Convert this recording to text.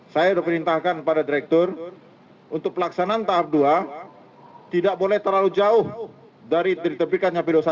saya sudah perintahkan pada direktur untuk pelaksanaan tahap dua tidak boleh terlalu jauh dari diterbitkannya p dua puluh satu